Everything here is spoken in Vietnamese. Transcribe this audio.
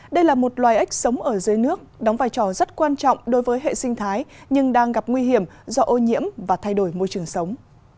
đây là một loài ếch sống ở dưới nước đóng vai trò rất quan trọng đối với hệ sinh thái nhưng đang gặp nguy hiểm do ô nhiễm và thay đổi môi trường sống